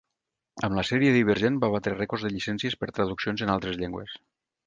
Amb la sèrie divergent va batre el rècord de llicències per traduccions en altres llengües.